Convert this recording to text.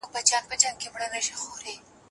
تاسو غواړئ په خپل وطن کي چيرته کار وکړئ؟